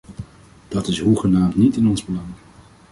Dat is hoegenaamd niet in ons belang.